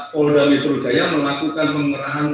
polda metro jaya melakukan pengerahan